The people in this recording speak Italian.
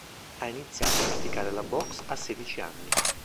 Ha iniziato a praticare la boxe a sedici anni.